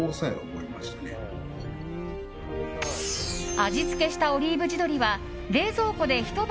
味付けしたオリーブ地鶏は冷蔵庫でひと晩